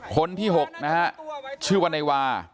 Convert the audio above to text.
คนที่๖นะฮะชื่อว่านายวา